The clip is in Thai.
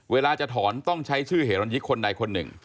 เวลาจะถอนต้องใช้ชื่อเหรนยิกคนใดคนหนึ่ง